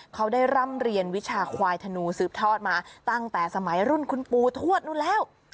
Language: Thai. เขาได้ร่ำเรียนวิชาควายธนูสืบทอดมาตั้งแต่สมัยรุ่นคุณปูทวดนู้นแล้ว